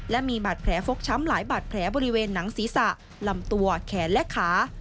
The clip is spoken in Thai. และมีบาดแผลฟกช้ำหลายบาดแผลบริเวณหนังศีรษะลำตัวแขนและขา